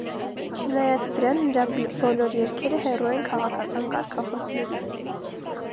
Չնայած դրան, նրա բոլոր երգերը հեռու են քաղաքական կարգախոսներից։